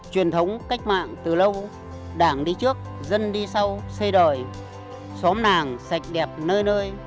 truyền thống cách mạng từ lâu đảng đi trước dân đi sau xây đời xóm nàng sạch đẹp nơi nơi